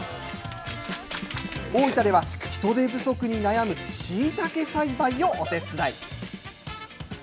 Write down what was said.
大分では、人手不足に悩むしいたけ栽培をお手伝い。